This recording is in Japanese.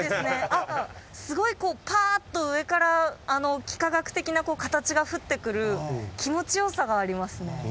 あっすごいこうパーッと上から幾何学的な形が降ってくる気持ち良さがありますね。